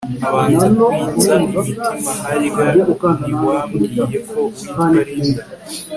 abanza kwitsa imitima harya ntiwambwiye ko witwa Linda